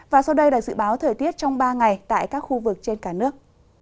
và sau đây là dự báo thời tiết trong ba ngày tại các khu vực trên cả nước